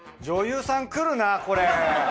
女優さん来るなこれ。